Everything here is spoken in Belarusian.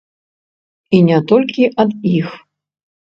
І не толькі ад іх.